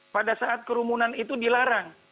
pada saat kerumunan itu dilarang